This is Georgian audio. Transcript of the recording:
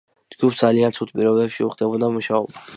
ჯგუფს ძალიან ცუდ პირობებში უხდებოდა მუშაობა.